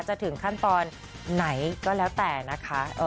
จะถึงขั้นตอนไหนก็แล้วแต่นะคะ